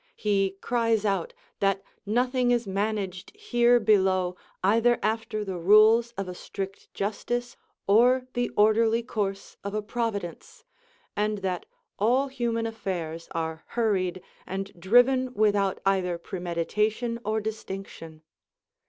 He cries out, that nothing is managed here below either after the rules of a strict justice or the orderly course of a providence, and that all human affairs are hur ried and driven without either premeditation or distinction.